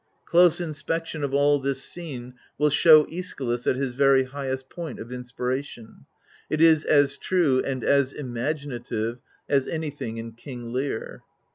Close inspection of all this scene will show iEschylus at his very highest point of inspiration ; it is as true, and as imaginative, as anything in ICing Lear.